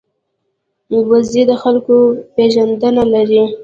وزې د خلکو پېژندنه لري